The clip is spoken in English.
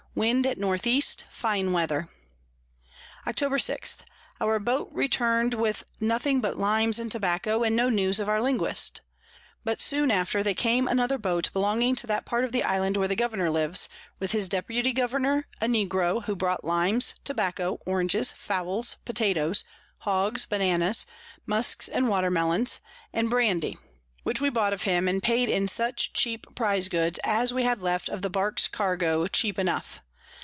Wind at N E. fine Weather. Octob. 6. Our Boat return'd with nothing but Limes and Tobacco, and no News of our Linguist. But soon after there came another Boat belonging to that part of the Island where the Governour lives, with his Deputy Governour, a Negro, who brought Limes, Tobacco, Oranges, Fowls, Potatoes, Hogs, Bonanoes, Musk and Water Melons, and Brandy, which we bought of him, and paid in such Prize Goods as we had left of the Bark's Cargo cheap enough.